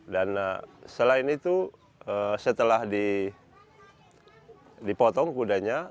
dan selain itu setelah dipotong kudanya